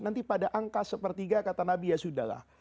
nanti pada angka sepertiga kata nabi ya sudah lah